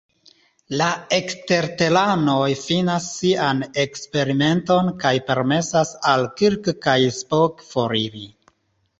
La eksterteranoj finas sian eksperimenton kaj permesas al Kirk kaj Spock foriri.